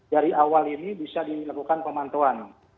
dari awal ini bisa dilakukan pemantauan